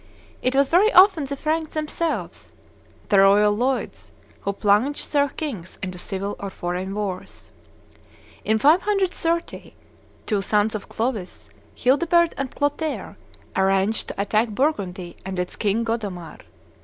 It was very often the Franks themselves, the royal "leudes," who plunged their kings into civil or foreign wars. In 530, two sons of Clovis, Childebert and Clotaire, arranged to attack Burgundy and its king Godomar.